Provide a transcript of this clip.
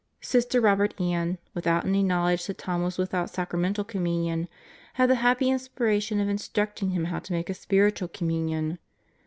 Sister Robert Ann, without any knowledge that Tom was without Sacramental Communion, had the happy inspiration of instructing him how to make a Spiritual Communion.